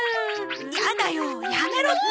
やだよやめろって！